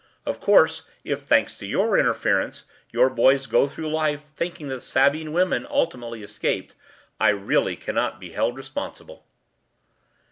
Of course, if, thanks to your interference, your boys go through life thinking that the Sabine women ultimately escaped, I really cannot be held responsible.